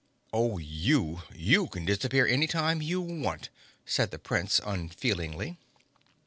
"Oh, you—you can disappear any time you want," said the Prince unfeelingly.